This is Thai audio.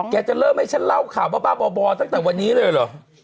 จะเริ่มให้ฉันเล่าข่าวบ้าบ่อตั้งแต่วันนี้เลยเหรอ